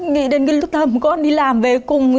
nghĩ đến cái lúc hầm con đi làm về cùng